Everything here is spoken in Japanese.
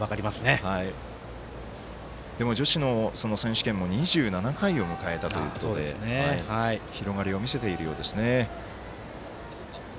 でも、女子の選手権ももう２７回を迎えたということで広がりを見せているようですね。